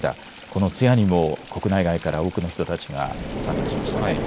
この通夜にも国内外から多くの人たちが参列しましたね。